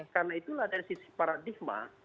karena itulah dari sisi paradigma